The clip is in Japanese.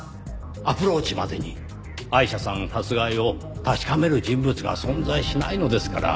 アプローチまでにアイシャさん殺害を確かめる人物が存在しないのですから。